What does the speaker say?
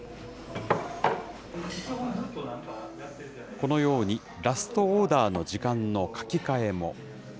このように、ラストオーダーの時間の書き換えも。